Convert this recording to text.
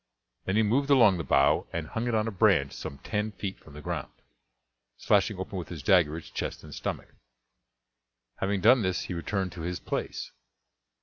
Then he moved along the bough and hung it on a branch some ten feet from the ground, slashing open with his dagger its chest and stomach. Having done this he returned to his place.